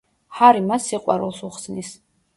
ჰარი მას სიყვარულს უხსნის.